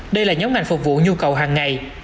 đây là nhóm ngành phục vụ nhu cầu hàng ngày